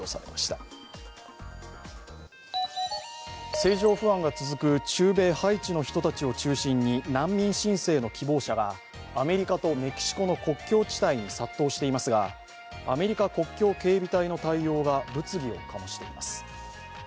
政情不安が続く中米ハイチの人たちを中心に難民申請の希望者がアメリカとメキシコの国境地帯に殺到していますがアメリカ国境警備隊の対応が物議を醸しています。